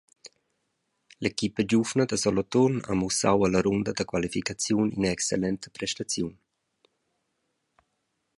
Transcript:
L’equipa giuvna da Soloturn ha mussau ella runda da qualificaziun ina excellenta prestaziun.